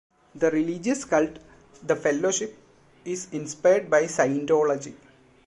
The religious cult the Fellowship is inspired by Scientology.